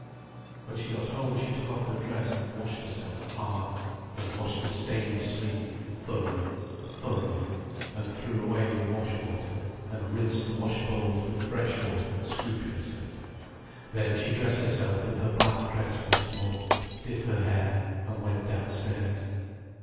When she got home she took off her dress and washed herself hard and washed the stained sleeve, thoroughly, thoroughly, and threw away the wash water and rinsed the wash bowls with fresh water, scrupulously. Then she dressed herself in her black dress once more, did her hair, and went downstairs.